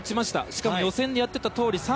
しかも予選でやっていたとおり３５０